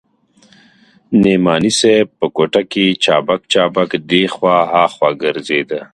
نعماني صاحب په کوټه کښې چابک چابک دې خوا ها خوا ګرځېده.